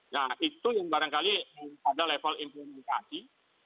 nah itu yang barangkali pada level implementasi